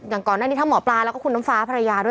ก่อนหน้านี้ทั้งหมอปลาแล้วก็คุณน้ำฟ้าภรรยาด้วย